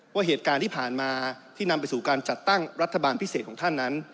ว่าเหตุการณ์ที่ผ่านมาที่นำไปสู่การจัดตั้งรัฐบาลพิเศษของท่านนั้น